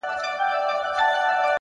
نیک اخلاق تلپاتې پانګه ده!